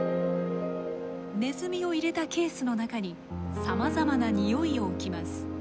ネズミを入れたケースの中にさまざまなにおいを置きます。